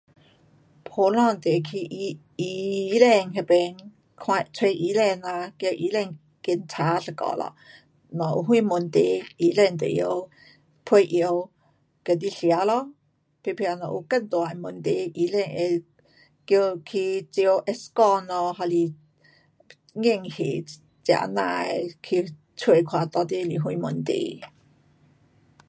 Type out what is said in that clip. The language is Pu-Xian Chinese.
普通地区，医，医生那边看，找医生呐，叫医生检查一下咯，若有什问题医生就会晓配药给你吃咯。假设若有更大的问题，医生会叫去照 X 光，还是验血这啊那的去找看到底是什问题。